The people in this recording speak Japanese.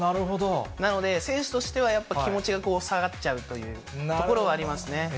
なので、選手としてはやっぱり気持ちが下がっちゃうというところはありますね。